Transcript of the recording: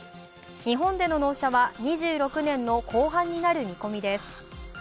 日本での納車は２６年の後半になる見込みです。